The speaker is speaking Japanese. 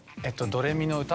『ドレミの歌』？